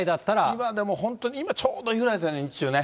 今でも、今ちょうどいいぐらいですね、日中ね。